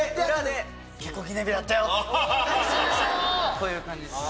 こういう感じです。